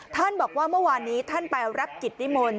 ท่านบอกว่าเมื่อวานนี้ท่านไปรับกิจนิมนต์